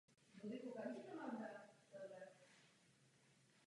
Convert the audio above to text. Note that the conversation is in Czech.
Ten ovšem dal podle slov svého otce jasně najevo svůj zájem reprezentovat Německo.